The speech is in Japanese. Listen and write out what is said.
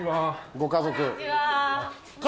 ご家族。